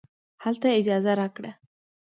هلته یې اجازه راکړه.